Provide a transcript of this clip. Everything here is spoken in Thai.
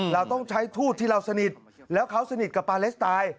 เราต้องใช้ทูตที่เราสนิทแล้วเขาสนิทกับปาเลสไตน์